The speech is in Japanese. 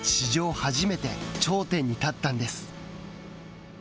初めて頂点に立ったんです。